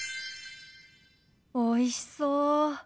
おいしそう。